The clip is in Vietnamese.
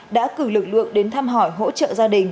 đã cử lực lượng đến thăm hỏi hỗ trợ gia đình